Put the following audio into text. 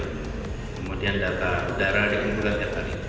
kemudian data udara dikumpulkan setiap hari